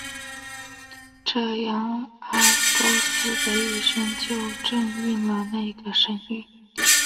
这样埃勾斯的一生就正应了那个神谕。